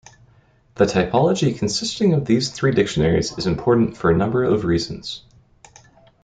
The typology consisting of these three dictionaries is important for a number of reasons.